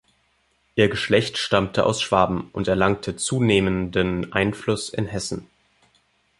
Ihr Geschlecht stammte aus Schwaben und erlangte zunehmenden Einfluss in Hessen.